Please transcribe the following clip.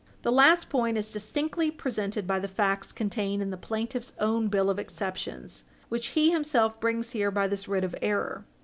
The last point is distinctly presented by the facts contained in the plaintiff's own bill of exceptions, which he himself brings here by this writ of error.